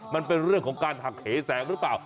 มันเป็นเรื่องของการหักเหแสงหรือเปล่า